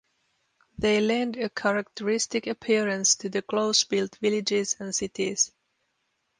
They lend a characteristic appearance to the close-built villages and cities.